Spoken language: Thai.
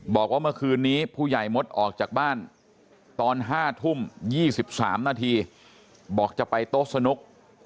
บอกว่าเมื่อคืนนี้ผู้ใหญ่มดออกจากบ้านตอน๕ทุ่ม๒๓นาทีบอกจะไปโต๊ะสนุก